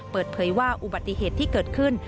เปิดเผยว่าอุบัติเหตุที่เกิดขึ้น